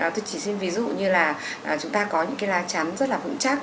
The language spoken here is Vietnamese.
tôi chỉ xin ví dụ như là chúng ta có những cái lá chắn rất là vững chắc